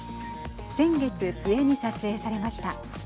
先月末に撮影されました。